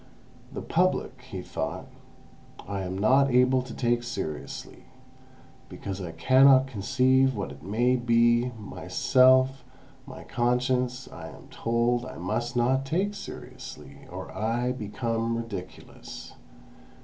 "The Public," he thought, "I am not able to take seriously, because I cannot conceive what it may be; myself, my conscience, I am told I must not take seriously, or I become ridiculous.